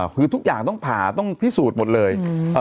คือทุกอย่างต้องผ่าต้องพิสูจน์หมดเลย